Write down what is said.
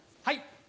はい。